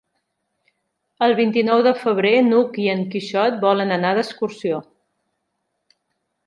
El vint-i-nou de febrer n'Hug i en Quixot volen anar d'excursió.